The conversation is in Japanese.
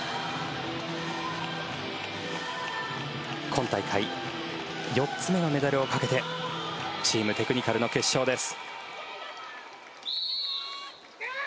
今大会４つ目のメダルをかけてチームテクニカルの決勝です。